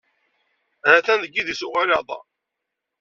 Ha-t-an deg yidis-a n uɣlad?